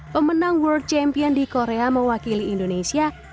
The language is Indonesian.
pemenang world champion di korea mewakili indonesia